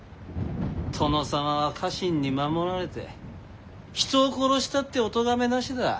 殿様は家臣に守られて人を殺したってお咎めなしだ。